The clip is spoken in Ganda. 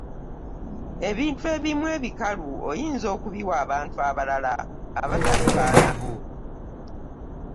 Ebintu ebimu ebikalu oyinza okubiwa abantu abalala abatali baana bo.